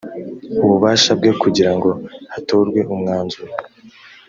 ububasha bwe kugira ngo hatorwe umwanzuro